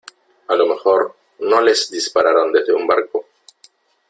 a lo mejor no les dispararon desde un barco .